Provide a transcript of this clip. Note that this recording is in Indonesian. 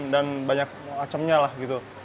banyak macamnya lah gitu